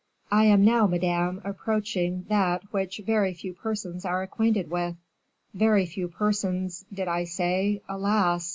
"I am now, madame, approaching that which very few persons are acquainted with. Very few persons, did I say, alas!